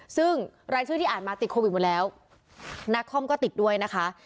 ซึ่งรายชื่อที่อ่านมาติดโควิดหมดแล้วนักคอมก็ติดด้วยนะคะ